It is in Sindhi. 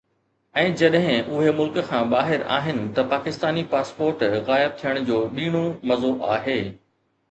۽ جڏهن اهي ملڪ کان ٻاهر آهن ته پاڪستاني پاسپورٽ غائب ٿيڻ جو ٻيڻو مزو آهي